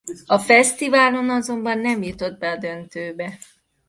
A fesztiválon azonban nem jutott be a döntőbe.